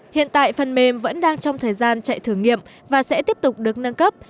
hiện tại phần mềm vẫn đang trong thời gian chạy thử nghiệm và sẽ tiếp tục được nâng cấp